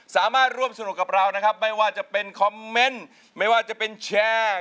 สามารถร่วมสนุกกับเรานะครับไม่ว่าจะเป็นคอมเมนต์ไม่ว่าจะเป็นแชร์